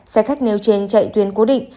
xe khách nêu trên chạy tuyến cố định